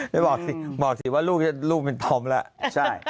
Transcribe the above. ท่านบอกสิว่ารูปเป็นต่อมแล้ว